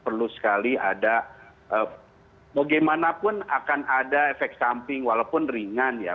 perlu sekali ada bagaimanapun akan ada efek samping walaupun ringan ya